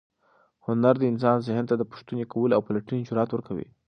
هنر د انسان ذهن ته د پوښتنې کولو او پلټنې جرات ورکوي.